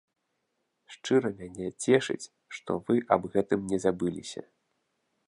Шчыра мяне цешыць, што вы аб гэтым не забыліся.